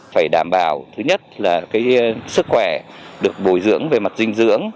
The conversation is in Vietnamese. phải đảm bảo thứ nhất là sức khỏe được bồi dưỡng về mặt dinh dưỡng